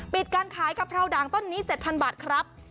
ปิดการขายกะเพราด่างต้นนี้๗๐๐บาทครับ